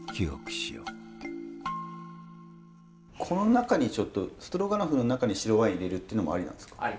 この中にちょっとストロガノフの中に白ワイン入れるっていうのもありなんですか？